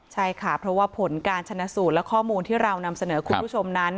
ใช่ค่ะเพราะว่าผลการชนะสูตรและข้อมูลที่เรานำเสนอคุณผู้ชมนั้น